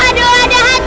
aduh ada hantu